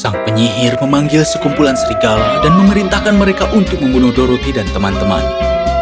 sang penyihir memanggil sekumpulan serigala dan memerintahkan mereka untuk membunuh doroti dan teman temannya